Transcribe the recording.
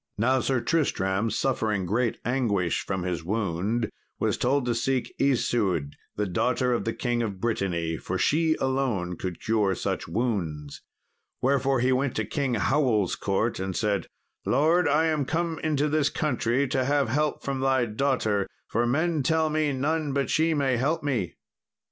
Now Sir Tristram, suffering great anguish from his wound, was told to seek Isoude, the daughter of the King of Brittany, for she alone could cure such wounds. Wherefore he went to King Howell's court, and said, "Lord, I am come into this country to have help from thy daughter, for men tell me none but she may help me."